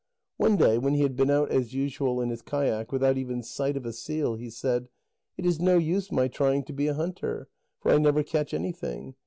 One day when he had been out as usual in his kayak, without even sight of a seal, he said: "It is no use my trying to be a hunter, for I never catch anything.